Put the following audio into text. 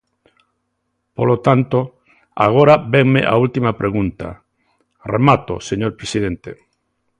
Polo tanto, agora vénme a última pregunta –remato, señor presidente–.